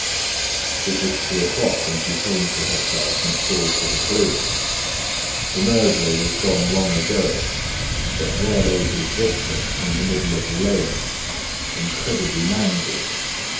It was two o'clock when she came to herself and called for the police. The murderer was gone long ago; but there lay his victim in the middle of the lane, incredibly mangled.